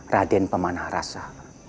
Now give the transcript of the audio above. raden pamanah rasa